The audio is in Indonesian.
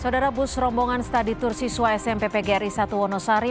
saudara bus rombongan staditur siswa smppgri satu wonosari